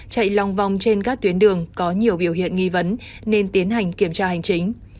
chạy lòng vòng trên các tuyến đường có nhiều biểu hiện nghi vấn nên tiến hành kiểm tra hành chính